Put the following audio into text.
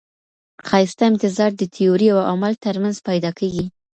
ښايسته امتزاج د تيوري او عمل ترمنځ پيدا کېږي.